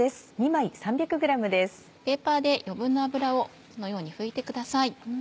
ペーパーで余分な油をこのように拭いてください。